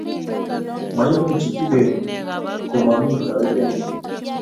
maimuchi kibet koomami toretengung